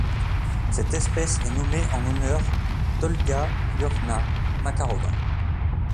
Cette espèce est nommée en l'honneur d'Olga Lvovna Makarova.